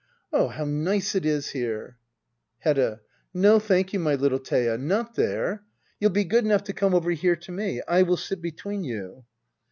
'\ Oh, how nice it is here ! Hedda. No, thank you, my little Thea ! Not there! You'll be good enough to come over here to me. I will sit between you.